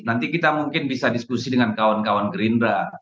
nanti kita mungkin bisa diskusi dengan kawan kawan gerindra